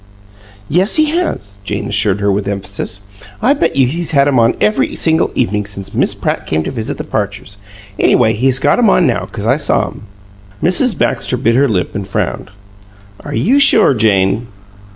"Yes, he has!" Jane assured her with emphasis. "I bet you he's had 'em on every single evening since Miss Pratt came to visit the Parchers! Anyway, he's got 'em on now, 'cause I saw 'em." Mrs. Baxter bit her lip and frowned. "Are you sure, Jane?"